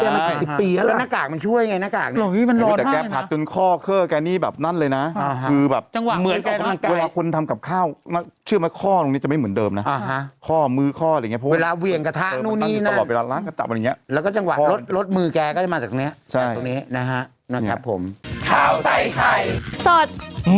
มเผชิมไล่สุดสุดสุดสุดสุดสุดสุดสุดสุด